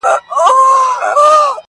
چي مازیګر په ښایسته کیږي٫